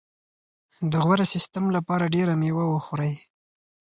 د غوره سیستم لپاره ډېره مېوه وخورئ.